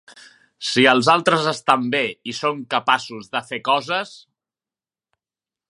...si els altres estan bé i són capaços de fer coses